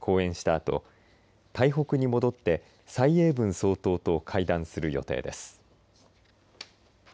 あと台北に戻って蔡英文総統と会談する予定です。